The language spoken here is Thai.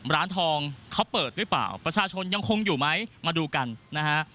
ร้านทองเขาเปิดหรือเปล่าประชาชนยังคงอยู่ไหมมาดูกันนะฮะ